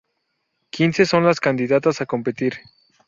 Quince son las candidatas a competir.